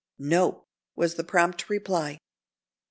"No!" was the prompt reply.